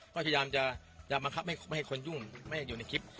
ก็พยายามจะบังคับไม่ให้คนยุ่งไม่อยู่ในคลิป